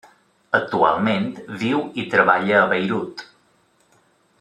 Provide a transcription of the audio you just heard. Actualment viu i treballa a Beirut.